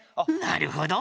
なるほど！